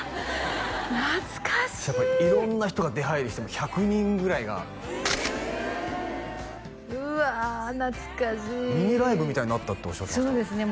懐かしい色んな人が出はいりして１００人ぐらいがうわ懐かしいミニライブみたいになったっておっしゃってましたそうですね